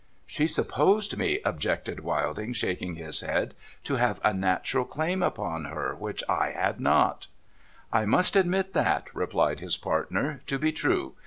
' She supposed me,' objected Wilding, shaking his head, ' to have a natural claim upon her, which I bad not.' 494 NO THOROUGHFARE 'I must admit that,' replied his partner, 'to he true.